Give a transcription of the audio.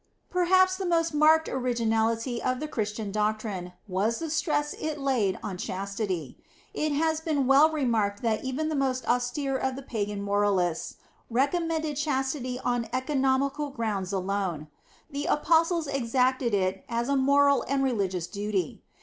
Perhaps the most marked originality of the Christian doctrine was the stress it laid on chastity. It has been well remarked that even the most austere of the pagan moralists recommended chastity on economical grounds alone. The apostles exacted it as a moral and religious duty.